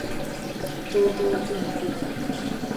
兜兜转转